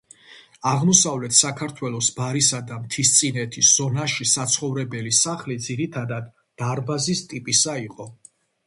აღმოსავლეთ საქართველოს ბარისა და მთისწინეთის ზონაში საცხოვრებელი სახლი ძირითადად დარბაზის ტიპისა იყო.